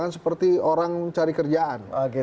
seperti orang cari kerjaan